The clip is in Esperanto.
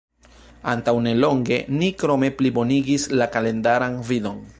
Antaŭ nelonge, ni krome plibonigis la kalendaran vidon.